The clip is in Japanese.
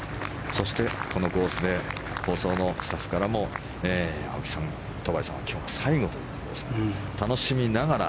そして、このコースで放送のスタッフからも青木さん、戸張さんは今日が最後ということですが楽しみながら